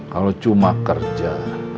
kalau cuma kerja